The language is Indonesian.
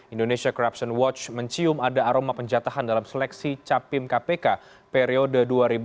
indonesia corruption watch mencium ada aroma penjatahan dalam seleksi capim kpk periode dua ribu sembilan belas dua ribu dua puluh tiga